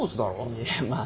いやまあ